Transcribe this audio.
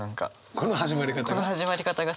この始まり方が？